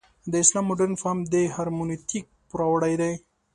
د اسلام مډرن فهم د هرمنوتیک پوروړی دی.